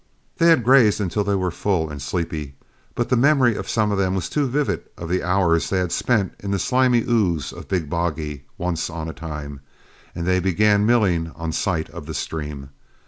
They had grazed until they were full and sleepy, but the memory of some of them was too vivid of the hours they had spent in the slimy ooze of Big Boggy once on a time, and they began milling on sight of the stream.